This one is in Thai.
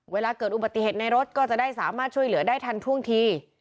เวลาเกิดอุบัติเหตุในรถก็จะได้สามารถช่วยเหลือได้ทันท่วงที